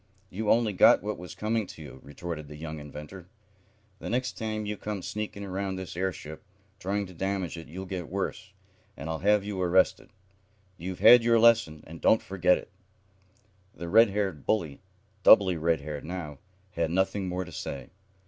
"You only got what was coming to you," retorted the young inventor. "The next time you come sneaking around this airship, trying to damage it, you'll get worse, and I'll have you arrested. You've had your lesson, and don't forget it." The red haired bully, doubly red haired now, had nothing more to say.